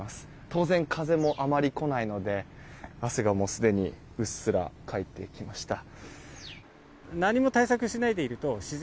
当然、風もあまりこないので汗が、すでにうっすらかいてきました。